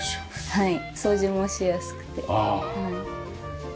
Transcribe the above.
はい。